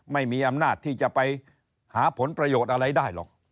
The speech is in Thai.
ไม่มีอำนาจที่จะไปหาผลประโยชน์อะไรได้หรอก